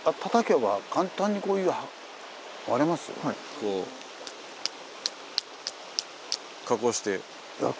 こう加工して。